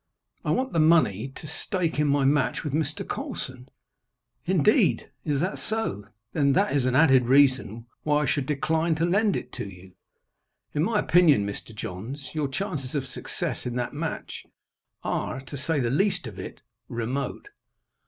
"I want the money to stake in my match with Mr. Colson." "Indeed. Is that so? Then that is an added reason why I should decline to lend it to you. In my opinion, Mr. Johns, your chances of success in that match are, to say the least of it, remote."